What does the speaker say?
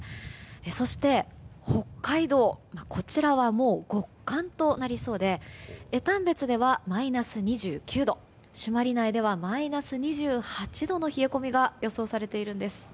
そして、北海道は極寒となりそうでして江丹別ではマイナス２９度朱鞠内ではマイナス２８度の冷え込みが予想されているんです。